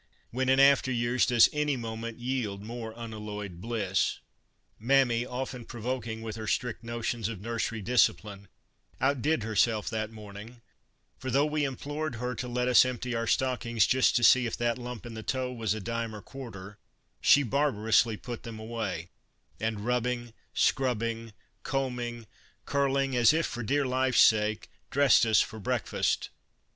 When in after years does any moment yield more unalloyed bliss ? Mammy, often provoking with her strict notions of nursery discipline, outdid herself that morning, Christmas Under Three Hags : i for though we implored her to let us empty our stockings just to see if that lump in the toe was a dime or quarter, she barbarously put them away, and rubbing, scrubbing, combing, curling, as if for dear life's sake, dressed us for breakfast.